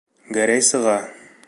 Гәрәй сыға.